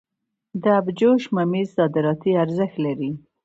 د ابجوش ممیز صادراتي ارزښت لري.